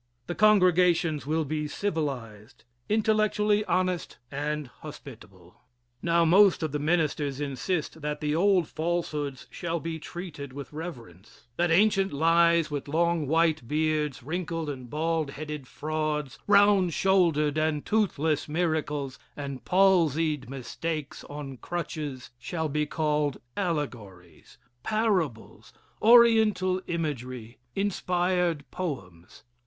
The congregations will be civilized intellectually honest and hospitable. Now, most of the ministers insist that the old falsehoods shall be treated with reverence that ancient lies with long white beards wrinkled and bald headed frauds round shouldered and toothless miracles, and palsied mistakes on crutches, shall be called allegories, parables, oriental imagery, inspired poems.